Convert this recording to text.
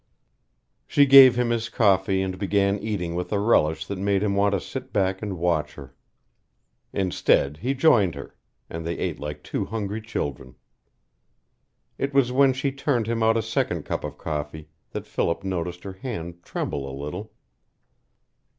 She gave him his coffee and began eating with a relish that made him want to sit back and watch her. Instead, he joined her; and they ate like two hungry children. It was when she turned him out a second cup of coffee that Philip noticed her hand tremble a little.